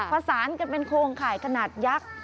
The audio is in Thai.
ประสานกันเป็นโครงข่ายขนาดยักษ์